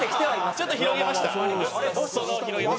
ちょっと広げました裾野を。